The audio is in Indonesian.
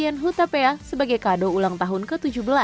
maksudnya putrinya parisienne hutapea sebagai kado ulang tahun ke tujuh belas